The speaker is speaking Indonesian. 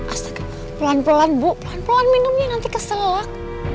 astaga pelan pelan bu pelan pelan minumnya nanti keselak